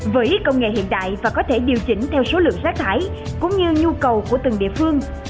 với công nghệ hiện đại và có thể điều chỉnh theo số lượng rác thải cũng như nhu cầu của từng địa phương